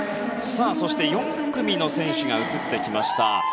そして４組の選手が映ってきました。